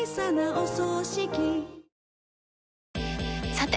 さて！